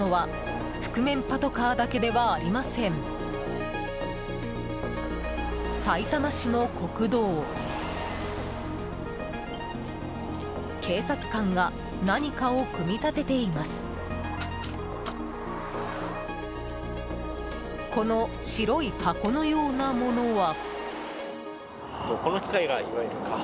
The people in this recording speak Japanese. この白い箱のようなものは。